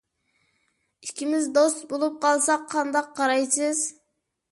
ئىككىمىز دوست بۇلۇپ قالساق قانداق قارايسىز؟